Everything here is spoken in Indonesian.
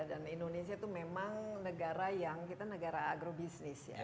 dan indonesia itu memang negara yang kita negara agrobisnis ya